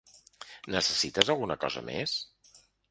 Necessites alguna cosa més?